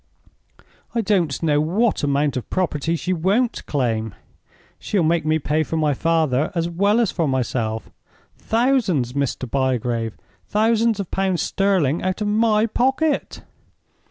"I don't know what amount of property she won't claim. She'll make me pay for my father as well as for myself. Thousands, Mr. Bygrave—thousands of pounds sterling out of my pocket!!!"